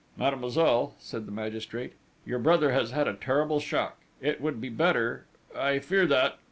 "Mademoiselle," said the magistrate, "your brother has had a terrible shock!... It would be better!... I fear that!..."